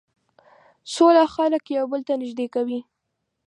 سوله خلک یو بل ته نژدې کوي.